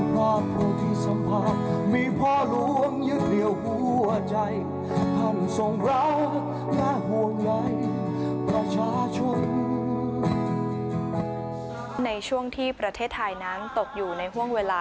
ในช่วงที่ประเทศไทยนั้นตกอยู่ในห่วงเวลา